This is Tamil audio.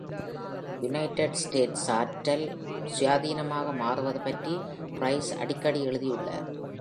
யுனைடெட் ஸ்டேட்ஸ் ஆற்றல் சுயாதீனமாக மாறுவது பற்றி பிரைஸ் அடிக்கடி எழுதியுள்ளார்.